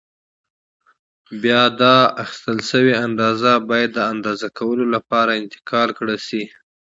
بیا دا اخیستل شوې اندازه باید د اندازه کولو لپاره انتقال کړای شي.